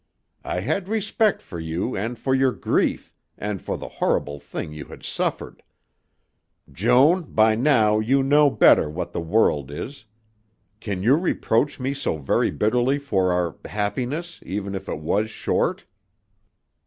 I had respect for you and for your grief and for the horrible thing you had suffered. Joan, by now you know better what the world is. Can you reproach me so very bitterly for our happiness, even if it was short?"